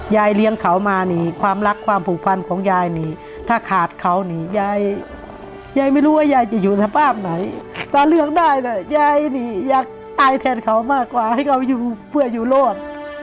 ยายไม่รู้ว่ายายจะอยู่สภาพไหนถ้าเลือกได้น่ะยายหนีอยากตายแทนเขามากกว่าให้เขาอยู่เพื่ออยู่โลศ